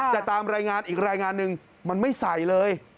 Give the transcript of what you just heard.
แต่ตามรายงานอีกรายงานหนึ่งมันไม่ใส่เลย